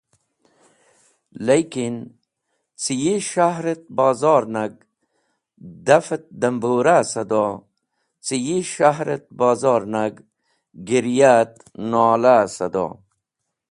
Likin, cẽ yi s̃hahr et bozor nag daf et dambura sado, cẽ yi s̃hahr et bozor nag girya et nola sado.